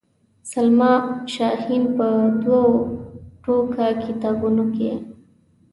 سلما شاهین په دوو ټوکه کتابونو کې.